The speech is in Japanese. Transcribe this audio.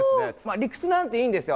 理屈なんていいんですよ。